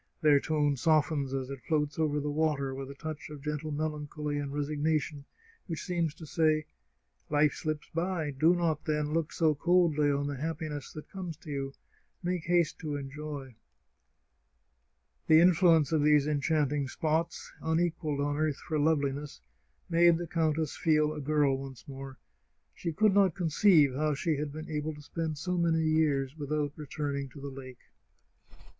Their tone softens as it floats over the water, with a touch of gentle melancholy and resignation, which seems to say, ' Life slips by. Do not, then, look so coldly on the happiness that comes to you. Make haste to enjoy.' " The influence of these enchanting spots, unequalled on earth for loveliness, made the countess feel a girl once more. She could not conceive how she had been able to spend so many years without returning to the lake.